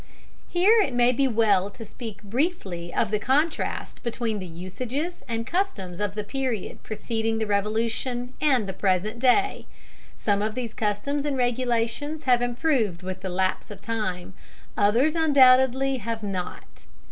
Here it may be well to speak briefly of the contrast between the usages and customs of the period preceding the Revolution, and the present day. Some of these customs and regulations have improved with the lapse of time, others undoubtedly have not.